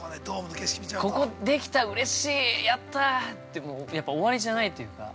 ここ、できた、うれしい、やったあって終わりじゃないというか。